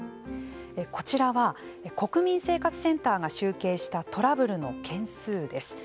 こちらは、国民生活センターが集計したトラブルの件数です。